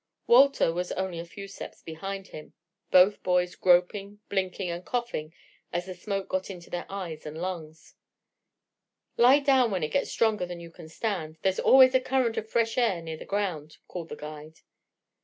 Walter was only a few steps behind him, both boys groping, blinking and coughing as the smoke got into eyes and lungs. "Lie down when it gets stronger than you can stand. There's always a current of fresh air near the ground," called the guide.